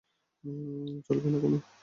চলবে না কেনো।